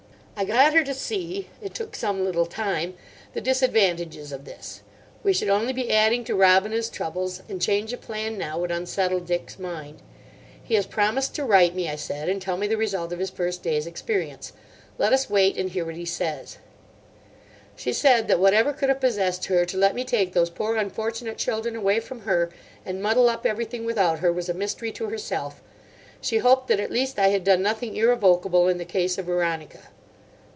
I got her to see—it took some little time—the disadvantages of this. We should only be adding to Robina's troubles; and change of plan now would unsettle Dick's mind. "He has promised to write me," I said, "and tell me the result of his first day's experience. Let us wait and hear what he says." She said that whatever could have possessed her to let me take those poor unfortunate children away from her, and muddle up everything without her, was a mystery to herself. She hoped that, at least, I had done nothing irrevocable in the case of Veronica.